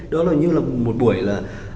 đó là như là một buổi là